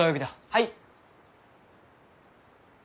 はい！